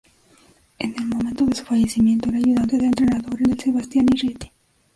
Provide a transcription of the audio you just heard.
En el momento de su fallecimiento era ayudante del entrenador en el Sebastiani Rieti.